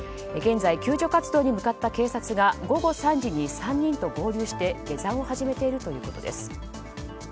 現在、救助活動に向かった警察が午後３時に３人と合流して下山を始めているということです。